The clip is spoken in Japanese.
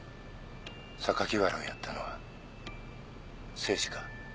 榊原をやったのは誠司か？